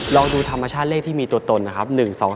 ลองดูธรรมชาติเลขที่มีตัวตนนะครับ